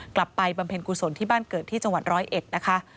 กลับไปบำเพ็ญกุศลที่บ้านเกิดที่จังหวัด๑๐๑นะคะ